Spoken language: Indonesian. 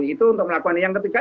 itu untuk melakukan yang ketiga